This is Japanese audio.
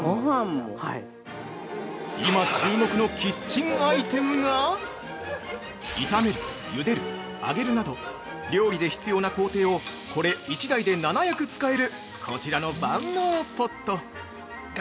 ◆今注目のキッチンアイテムが炒める・茹でる・揚げるなど料理で必要な工程をこれ１台で７役使えるこちらの万能ポット。